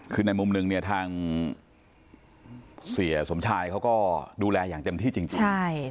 คือในมุมหนึ่งเนี่ยทางเสียสมชายเขาก็ดูแลอย่างเต็มที่จริง